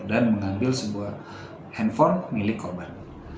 dan mengambil sebuah handphone milik korban